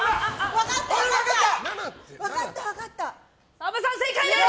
澤部さん正解です！